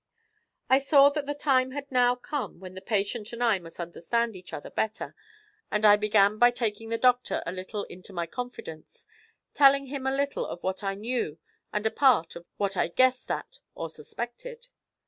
I saw that the time had now come when the patient and I must understand each other better, and I began by taking the doctor a little into my confidence, telling him a little of what I knew and a part of what I guessed at or suspected.